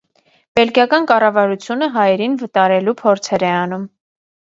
Բելգիական կառավարությունը հայերին վտարելու փորձեր է անում։